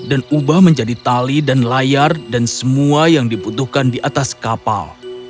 ubah menjadi tali dan layar dan semua yang dibutuhkan di atas kapal